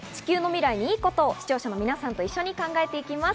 ウィークということで、地球の未来にいいことを視聴者の皆さんと一緒に考えていきます。